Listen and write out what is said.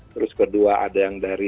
terus kedua ada yang dari